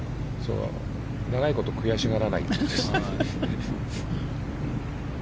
長いこと悔しがらない。